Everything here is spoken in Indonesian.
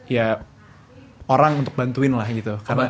ya orang untuk bantuin lah gitu